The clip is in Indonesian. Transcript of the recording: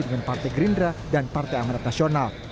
dengan partai gerindra dan partai amanat nasional